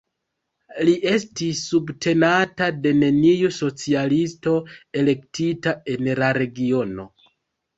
Li estis subtenata de neniu socialisto elektita en la regiono.